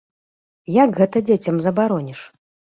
Як гэта дзецям забароніш?